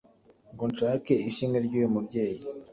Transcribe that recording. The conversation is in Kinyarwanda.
Ngo nshake ishimwe ry’uyu mubyeyi